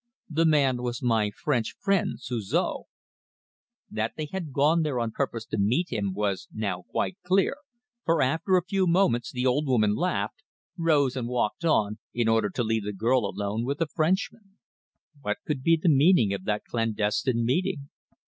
The man was my French friend, Suzor! That they had gone there on purpose to meet him was now quite clear, for after a few moments the old woman laughed, rose and walked on, in order to leave the girl alone with the Frenchman. What could be the meaning of that clandestine meeting?